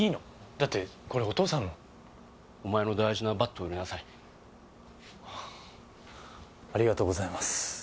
だってこれお父さんのお前の大事なバットを入れなさいありがとうございます